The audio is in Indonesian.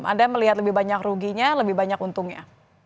anda melihat lebih banyak ruginya lebih banyak untungnya